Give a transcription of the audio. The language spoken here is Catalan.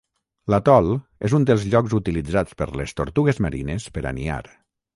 L'atol és un dels llocs utilitzats per les tortugues marines per a niar.